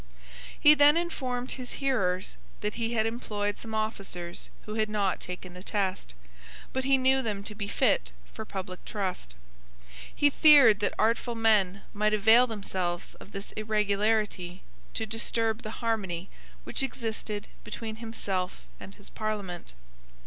He then informed his hearers that he had employed some officers who had not taken the test; but he knew them to be fit for public trust. He feared that artful men might avail themselves of this irregularity to disturb the harmony which existed between himself and his Parliament.